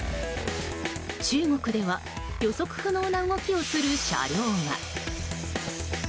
中国では予測不能な動きをする車両が。